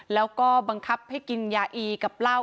แล้วก็บังคับให้กินยาอีกับเหล้า